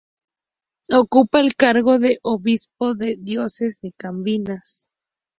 Ocupa el cargo de Obispo de la Diócesis de Cabimas.